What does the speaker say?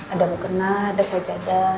ada mukena ada sajada